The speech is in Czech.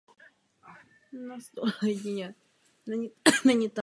Ústřední komise se skládá především z učitelů základních a středních škol.